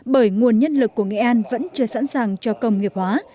bởi nguồn nhân lực của nghệ an vẫn chưa sẵn sàng cho công nghiệp hóa